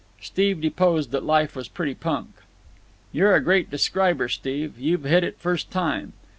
Steve deposed that life was pretty punk. "You're a great describer, Steve. You've hit it first time.